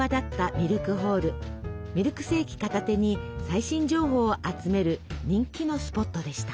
ミルクセーキ片手に最新情報を集める人気のスポットでした。